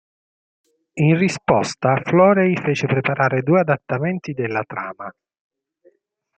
In risposta, Florey fece preparare due adattamenti della trama.